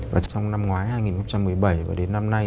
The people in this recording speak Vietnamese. và trong năm ngoái hai nghìn một mươi bảy và đến năm nay